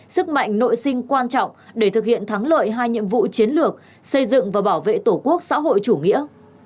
sức mạnh nội sinh quan trọng để thực hiện thắng lợi hai nhiệm vụ chiến lược xây dựng và bảo vệ tổ quốc xã hội chủ nghĩa